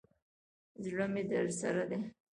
زړه مي درسره دی.